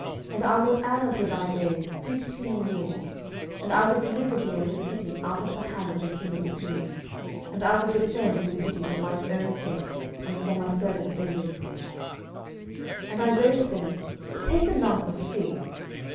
12:020:006 And I will add unto thy days fifteen years; and I will deliver thee and this city out of the hand of the king of Assyria; and I will defend this city for mine own sake, and for my servant David's sake. 12:020:007 And Isaiah said, Take a lump of figs.